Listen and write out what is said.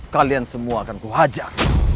kalian semua akan kuhajak